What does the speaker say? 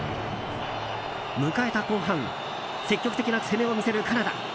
迎えた後半積極的な攻めを見せるカナダ。